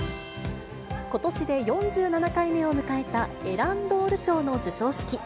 ことしで４７回目を迎えたエランドール賞の授賞式。